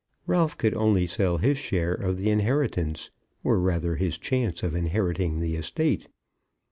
Ralph could only sell his share of the inheritance; or rather his chance of inheriting the estate.